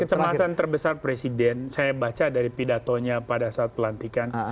kecemasan terbesar presiden saya baca dari pidatonya pada saat pelantikan